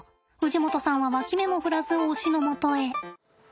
氏夲さんは脇目も振らず推しのもとへ。